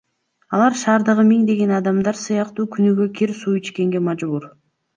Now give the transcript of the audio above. Ал шаардагы миңдеген адамдар сыяктуу күнүгө кир суу ичкенге мажбур.